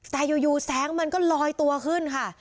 แต่อยู่แสงมันก็ลอยตัวขึ้นค่ะ